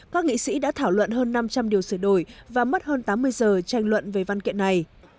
các nghị sĩ đã thảo luận hơn năm trăm linh điều sửa đổi và mất hơn tám mươi giờ tranh luận về văn kiện này